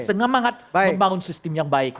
semangat membangun sistem yang baik